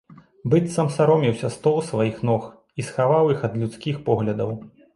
Быццам саромеўся стол сваіх ног і схаваў іх ад людскіх поглядаў.